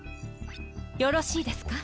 よろしいですか？